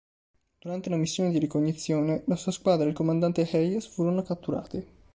Durante una missione di ricognizione, la sua squadra e il comandante Hayes furono catturati.